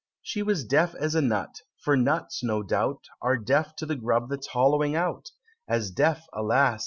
She was deaf as a nut for nuts, no doubt, Are deaf to the grub that's hollowing out As deaf, alas!